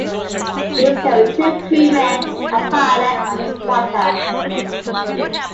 These carried two crewmen: a pilot and a spotter.